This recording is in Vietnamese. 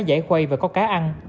giải quay và có cá ăn